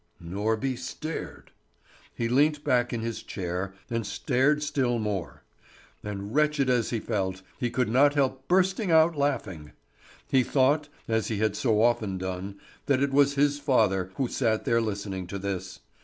Norby stared. He leant back in his chair and stared still more; and wretched as he felt, he could not help bursting out laughing. He thought, as he had so often done, that it was his father who sat there listening to this.